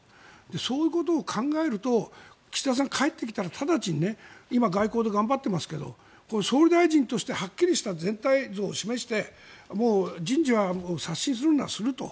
そういうことを考えると岸田さんが帰ってきたら直ちに今、外交で頑張ってますけど総理大臣としてはっきりした全体像を示してもう人事は刷新するならすると。